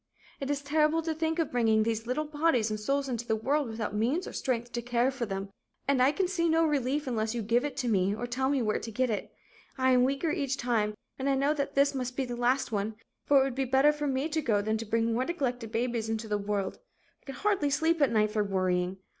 "It is terrible to think of bringing these little bodies and souls into the world without means or strength to care for them. And I can see no relief unless you give it to me or tell me where to get it. I am weaker each time and I know that this must be the last one, for it would be better for me to go, than to bring more neglected babies into the world. I can hardly sleep at night for worrying.